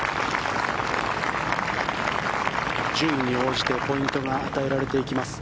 順位に応じてポイントが与えられていきます。